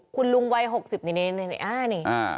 คุณลุงวัย๖๐นิดนึงอ้าวนี่